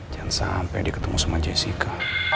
jangan sampai diketemu sama jessica